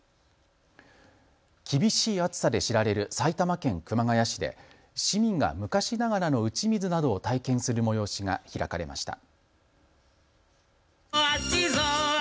厳しい暑さで知られる埼玉県熊谷市で市民が昔ながらの打ち水などを体験する催しが開かれました。